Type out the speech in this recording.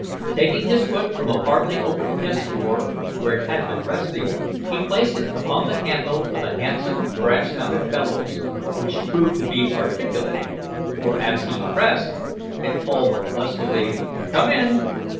Taking his foot from a partly opened desk drawer where it had been resting, he placed it upon the handle of a handsome brass mounted bellows, which proved to be articulating, for, as he pressed, it called lustily, "Come in!"